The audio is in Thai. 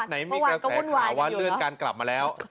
ไหนมีกระแสข่าวว่าเลื่อนการกลับมาแล้ว